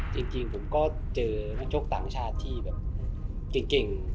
จริงผมก็เจอนักชกต่างชาติที่แบบเก่ง